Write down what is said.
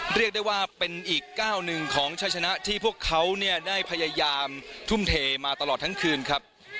เรียกได้ว่าเป็นอีกก้าวหนึ่งของชัยชนะที่พวกเขาเนี่ยได้พยายามทุ่มเทมาตลอดทั้งคืนครับ